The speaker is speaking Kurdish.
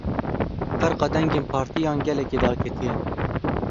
Ferqa dengên partiyan gelekî daketiye.